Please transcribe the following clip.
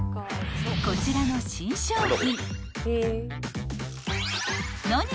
［こちらの新商品］